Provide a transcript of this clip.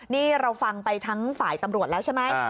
นี่เราฟังไปทั้งฝ่ายตำรวจแล้วใช่ไหม